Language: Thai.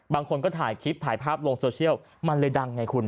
บางคนก็ถ่ายคลิปถ่ายภาพลงโซเชียลมันเลยดังไงคุณ